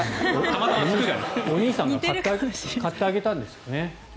お兄さんが買ってあげたんですかね。